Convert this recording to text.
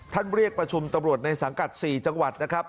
เรียกประชุมตำรวจในสังกัด๔จังหวัดนะครับ